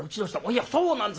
いやそうなんです。